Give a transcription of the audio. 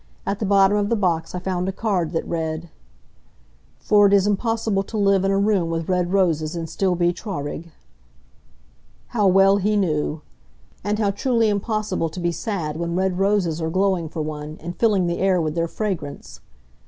At the bottom of the box I found a card that read: "For it is impossible to live in a room with red roses and still be traurig." How well he knew! And how truly impossible to be sad when red roses are glowing for one, and filling the air with their fragrance!